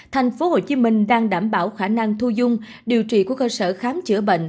thành phố hồ chí minh đang đảm bảo khả năng thu dung điều trị của cơ sở khám chữa bệnh